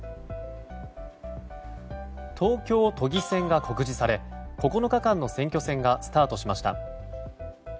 東京都議選が告示され９日間の選挙戦がスタートしました。